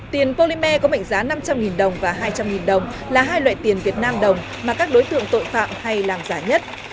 tiền polymer có mệnh giá năm trăm linh đồng và hai trăm linh đồng là hai loại tiền việt nam đồng mà các đối tượng tội phạm hay làm giả nhất